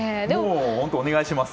本当お願いします。